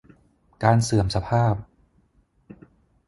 การเสื่อมสภาพ